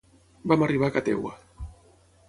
Vam arribar a ca teva.